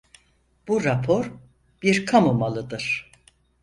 Bu rapor bir kamu malıdır.